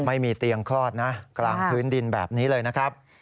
ไม่มีเตียงคลอดนะกลางพื้นดินแบบนี้เลยนะครับ